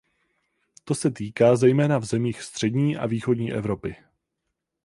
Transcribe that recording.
To se týká zejména v zemích střední a východní Evropy.